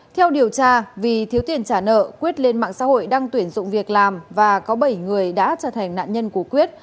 theo điều tra vì thiếu tiền trả nợ quyết lên mạng xã hội đang tuyển dụng việc làm và có bảy người đã trở thành nạn nhân của quyết